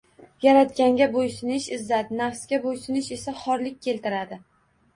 Yaratganga bo‘ysunish izzat, nafsga bo‘ysunish esa xorlik keltiradi.